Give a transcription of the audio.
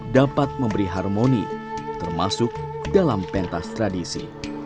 dapat memberi harmoni termasuk dalam pentas tradisi